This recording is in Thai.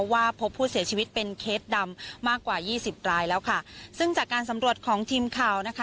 ว่าพบผู้เสียชีวิตเป็นเคสดำมากกว่ายี่สิบรายแล้วค่ะซึ่งจากการสำรวจของทีมข่าวนะคะ